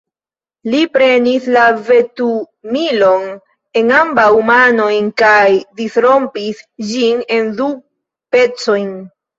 Li prenis la ventumilon en ambaŭ manojn kaj disrompis ĝin en du pecojn.